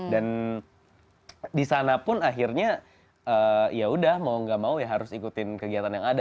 dan disanapun akhirnya ya udah mau nggak mau ya harus ikutin kegiatan yang ada